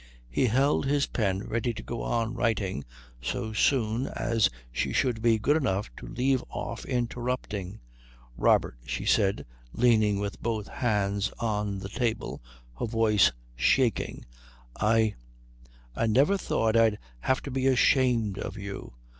He held his pen ready to go on writing so soon as she should be good enough to leave off interrupting. "Robert," she said, leaning with both hands on the table, her voice shaking, "I I never thought I'd have to be ashamed of you.